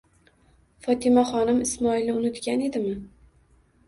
Fotimaxonim Ismoilni unutgan edimi?